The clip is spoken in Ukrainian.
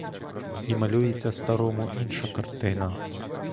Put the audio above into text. І малюється старому інша картина.